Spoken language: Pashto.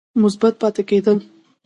مثبت پاتې کېد ل